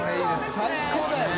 最高だよね！